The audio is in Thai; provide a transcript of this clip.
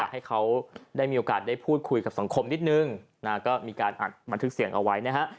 ให้เขาได้มีโอกาสได้พูดคุยกับสังคมนิดนึงก็มีการอัดบันทึกเสียงเอาไว้นะฮะ